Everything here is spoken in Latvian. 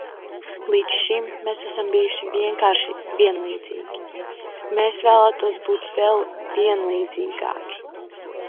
Līdz šim mēs esam bijuši vienkārši vienlīdzīgi, bet mēs vēlētos būt vēl vienlīdzīgāki.